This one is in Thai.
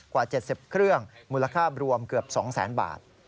กว่า๗๐เครื่องมูลค่ารวมเกือบ๒๐๐๐๐บาท